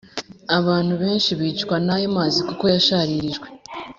abantu benshi bicwa n’ayo mazi kuko yasharirijwe.